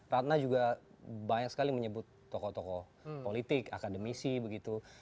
ratna juga banyak sekali menyebut tokoh tokoh politik akademisi begitu